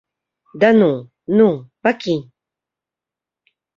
Да ну, ну, пакінь!